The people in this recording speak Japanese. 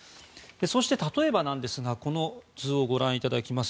そして、例えばなんですがこの図をご覧いただきます。